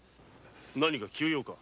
何か急用か？